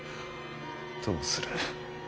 どうする。